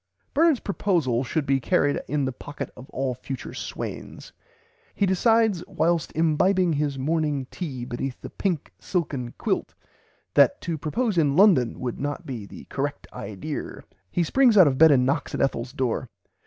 Bernard's proposal should be carried in the pocket of all future swains. He decides "whilst imbibing his morning tea beneath the pink silken quilt," that to propose in London would not be the "correct idear." He springs out of bed and knocks at Ethel's door.